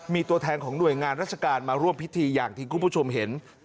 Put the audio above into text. มีตัวแทนของหน่วยงานราชการมาร่วมพิธีอย่างที่คุณผู้ชมเห็น